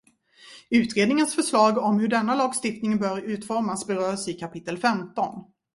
Utredningens förslag om hur denna lagstiftning bör utformas berörs i kapitel femton.